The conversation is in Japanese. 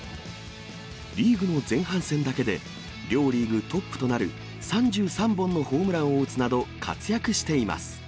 リーグの前半戦だけで、両リーグトップとなる３３本のホームランを打つなど、活躍しています。